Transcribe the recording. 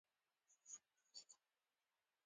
ګلداد وویل سپی خو هم د خدای پاک مخلوق دی.